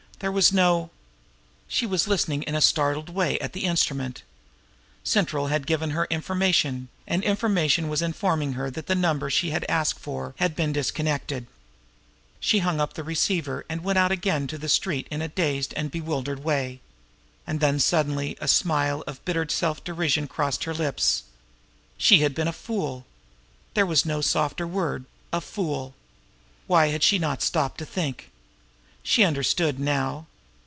There was no... She was listening in a startled way now at the instrument. Central had given her "information"; and "information" was informing her that the number she had asked for had been disconnected. She hung up the receiver, and went out again to the street in a dazed and bewildered way. And then suddenly a smile of bitter self derision crossed her lips. She had been a fool! There was no softer word a fool! Why had she not stopped to think? She understood now!